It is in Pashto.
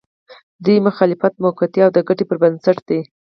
د دوی مخالفت موقعتي او د ګټې پر بنسټ دی.